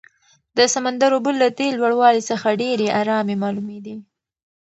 د سمندر اوبه له دې لوړوالي څخه ډېرې ارامې معلومېدې.